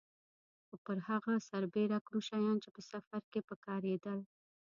خو پر هغه سربېره کوم شیان چې په سفر کې په کارېدل.